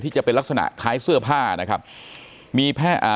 จะเป็นลักษณะคล้ายเสื้อผ้านะครับมีผ้าอ่า